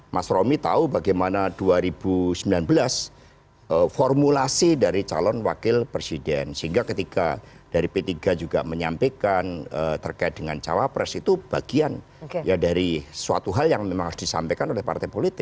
mas romi tahu bagaimana dua ribu sembilan belas formulasi dari calon wakil presiden sehingga ketika dari p tiga juga menyampaikan terkait dengan cawapres itu bagian dari suatu hal yang memang harus disampaikan oleh partai politik